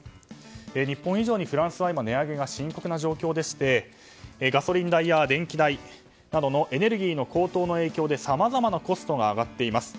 日本以上にフランスは今、値上げが深刻でしてガソリン代や電気代などのエネルギーの高騰の影響でさまざまなコストが上がっています。